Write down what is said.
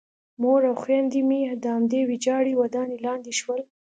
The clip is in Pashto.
مور او خویندې مې د همدې ویجاړې ودانۍ لاندې شول